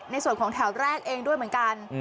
ในส่วนของแถวแรกเองด้วยเหมือนกัน